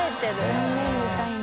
断面見たいな。